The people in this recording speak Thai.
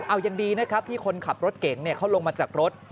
เอายังดีนะครับที่คนขับรถเก่งเขาลงมาจากรถ